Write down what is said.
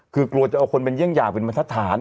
คือกลัวจะเอาคนเป็นเยี่ยงอย่างเป็นบรรทัศน